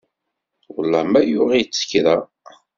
Wellah ma yuɣ-itt kra.